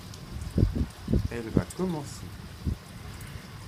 Elle va commencer.